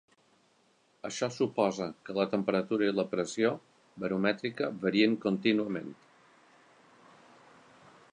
Això suposa que la temperatura i la pressió baromètrica varien contínuament.